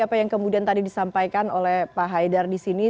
apa yang kemudian tadi disampaikan oleh pak haidar disini